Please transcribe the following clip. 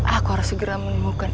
aku harus segera menemukan